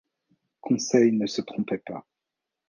Conseil ne se trompait pas.